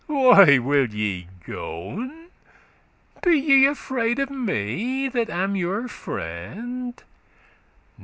why will ye gon? Be ye afraid of me that am your friend?